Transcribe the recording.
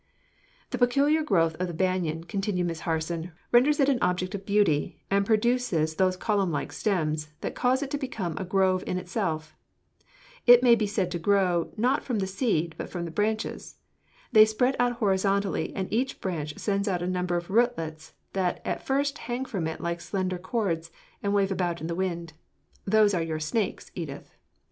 "The peculiar growth of the banyan," continued Miss Harson, "renders it an object of beauty and produces those column like stems that cause it to become a grove in itself. It may be said to grow, not from the seed, but from the branches. They spread out horizontally, and each branch sends out a number of rootlets that at first hang from it like slender cords and wave about in the wind. Those are your 'snakes,' Edith.